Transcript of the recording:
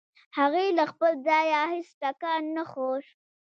هغې له خپل ځايه هېڅ ټکان نه خوړ.